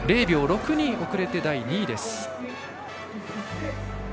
０秒６２遅れて第２位です。